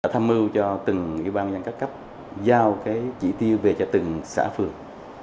tham mưu cho từng ủy ban nhân cấp cấp giao cái trị tiêu về cho từng xã phường